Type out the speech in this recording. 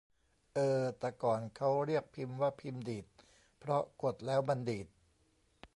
เออ ตะก่อนเค้าเรียกพิมพ์ว่าพิมพ์ดีด เพราะกดแล้วมันดีด